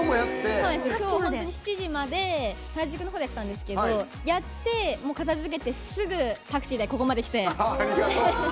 今日、本当に７時まで原宿のほうでやってたんですけどやって、片づけてすぐタクシーでここまで来て。